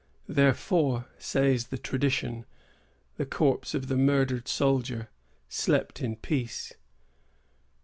Thenceforth, says the tradition, the corpse of the murdered soldier slept in peace.